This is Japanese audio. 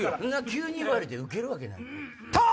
急に言われてウケるわけない。